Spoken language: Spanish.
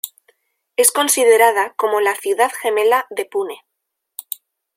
Es considerada como la "ciudad gemela" de Pune.